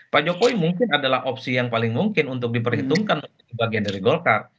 pak jokowi mungkin adalah opsi yang paling mungkin untuk diperhitungkan menjadi bagian dari golkar